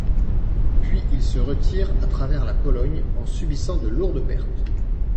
Puis, il se retire à travers la Pologne en subissant de lourdes pertes.